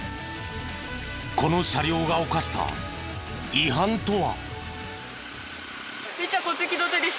この車両が犯した違反とは？